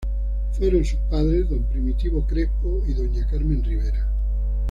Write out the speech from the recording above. Fueron sus padres don Primitivo Crespo y doña Carmen Rivera.